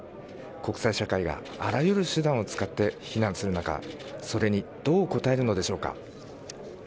国際社会があらゆる手段を使って非難する中、それにどう答えるのでしょうか。